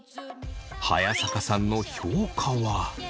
早坂さんの評価は。